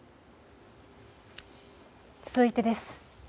続いてです。